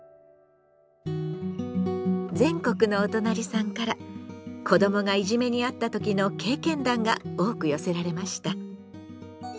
全国のおとなりさんから子どもがいじめにあった時の経験談が多く寄せられました。